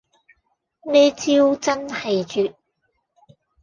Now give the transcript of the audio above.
呢招真係絕